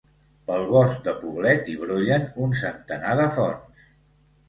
Pel bosc de Poblet hi brollen un centenar de fonts.